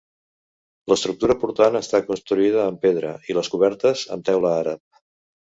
L'estructura portant està construïda amb pedra, i les cobertes, amb teula àrab.